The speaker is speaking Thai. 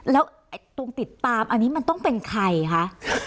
แล้วตรงติดตามอันนี้มันต้องเป็นใครคะ